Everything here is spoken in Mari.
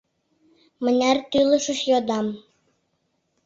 — Мыняр тӱлышыч? — йодам.